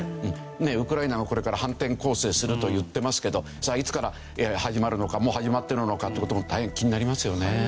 ウクライナはこれから反転攻勢すると言ってますけどさあいつから始まるのかもう始まってるのかって事も大変気になりますよね。